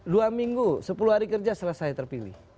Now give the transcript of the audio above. dua minggu sepuluh hari kerja selesai terpilih